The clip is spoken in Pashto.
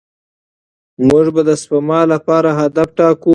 موږ به د سپما لپاره هدف ټاکو.